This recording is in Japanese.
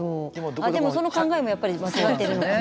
でもその考えもやっぱり間違ってるのかな。